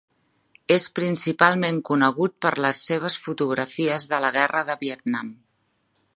És principalment conegut per les seves fotografies de la guerra del Vietnam.